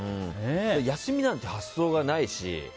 休みなんて発想がないし。